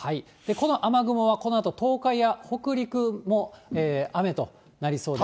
この雨雲はこのあと東海や北陸も雨となりそうです。